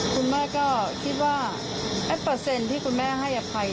คุณแม่ก็คิดว่าไอ้เปอร์เซ็นต์ที่คุณแม่ให้อภัย